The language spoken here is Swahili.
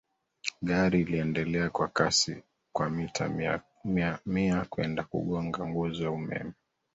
Gari iliendelea kwa kasi kwa mita mia kwenda kugonga nguzo ya umeme